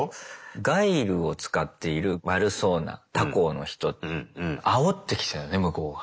ガイルを使っている悪そうな他校の人あおってきたのね向こうが。